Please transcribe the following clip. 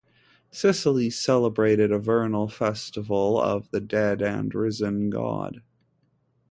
Sicily celebrated a vernal festival of the dead and risen god.